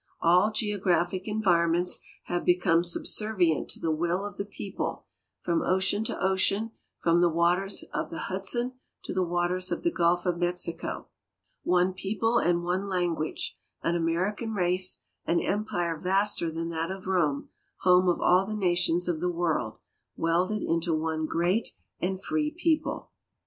All geographic environments have become subservient to the will of the people, from ocean to ocean, from the waters of the Hudson to the waters of the gulf of Mexico, one people and one language, an American race, an empire vaster than that of Rome, home of all the nations of the world, welded into one great and free people.